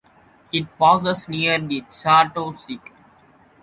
It passes near the Chateau Ste.